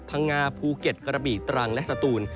ภาโงญาณภูเกษฐ์กระบีตรังและสตูน